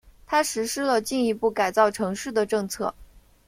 他实施了进一步改造城市的政策。